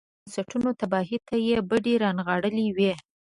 د وطن د بنسټونو تباهۍ ته يې بډې را نغاړلې وي.